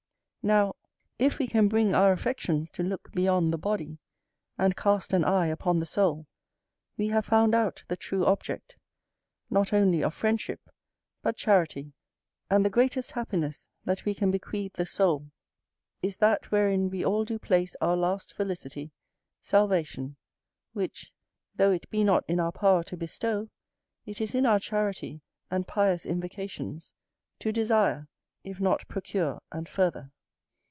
Now, if we can bring our affections to look beyond the body, and cast an eye upon the soul, we have found out the true object, not only of friendship, but charity: and the greatest happiness that we can bequeath the soul is that wherein we all do place our last felicity, salvation; which, though it be not in our power to bestow, it is in our charity and pious invocations to desire, if not procure and further.